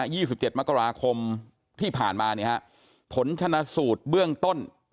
ยี่สิบเจ็ดมกราคมที่ผ่านมาผลชนะสูตรเบื้องต้น